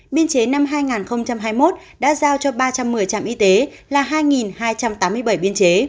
biên chế năm hai nghìn hai mươi một đã giao cho ba trăm một mươi trạm y tế là hai hai trăm tám mươi bảy biên chế